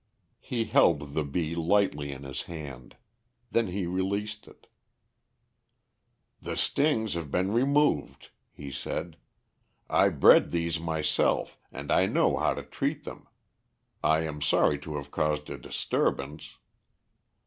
He held the bee lightly in his hand. Then he released it. "The stings have been removed," he said. "I bred these myself, and I know how to treat them. I am sorry to have caused a disturbance."